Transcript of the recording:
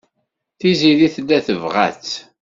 Tiziri tella tebɣa-tt.